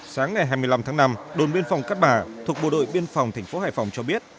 sáng ngày hai mươi năm tháng năm đồn biên phòng cát bà thuộc bộ đội biên phòng thành phố hải phòng cho biết